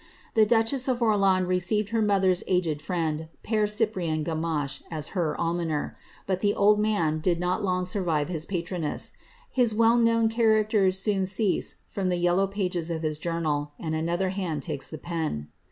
The duchess of Orleans received her roother'^s aged friend, Pere Cyprian Gamache, as her almoner; but the old man did not long survive his patroness — his well known characters toon cease from the yellow pages of his journal, and another hand takes the pen.